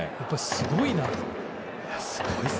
すごいな。